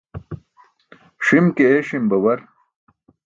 Ṣim ke eeṣim babar.